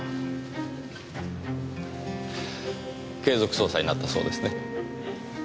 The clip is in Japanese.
継続捜査になったそうですね。